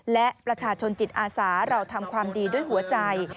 และประชาชนจิตอาสาเราทำความดีด้วยหัวใจ